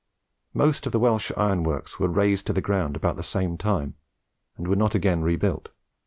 Most of the Welsh ironworks were razed to the ground about the same time, and were not again rebuilt.